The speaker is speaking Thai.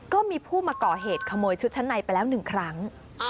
ก็มีผู้มาก่อเหตุขโมยชุดชั้นในไปแล้ว๑ครั้ง